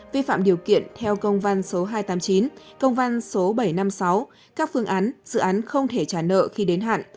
vi phạm điều kiện theo công văn số hai trăm tám mươi chín công văn số bảy trăm năm mươi sáu các phương án dự án không thể trả nợ khi đến hạn